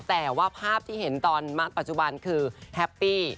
แต่ว่าภาพที่เห็นตอนณปัจจุบันคือแฮปปี้